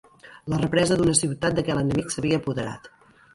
La represa d'una ciutat de què l'enemic s'havia apoderat.